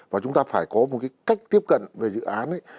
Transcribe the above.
và chúng ta phải có một cái cách tiếp cận về dự án ấy